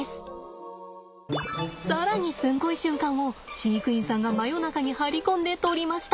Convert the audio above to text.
更にすんごい瞬間を飼育員さんが真夜中に張り込んで撮りました。